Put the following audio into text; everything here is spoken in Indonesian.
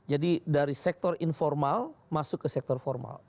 jadi dari sektor informal masuk ke sektor formal